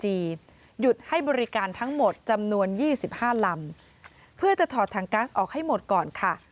หยุดให้บริการทั้งหมดจำนวน๒๕ลำเพื่อจะถอดถังกัสออกให้หมดก่อนค่ะ